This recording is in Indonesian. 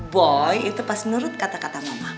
boy itu pasti nurut kata kata mama